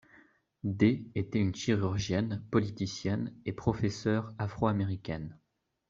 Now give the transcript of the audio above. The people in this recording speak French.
D, était une chirurgienne, politicienne et professeure afro-américaine.